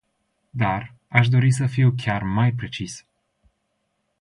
Dar, aș dori să fiu chiar mai precis.